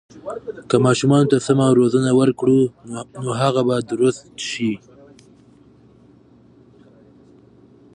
که ماشوم ته سمه روزنه ورکړو، نو هغه به درست شي.